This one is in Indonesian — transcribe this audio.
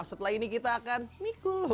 setelah ini kita akan mikul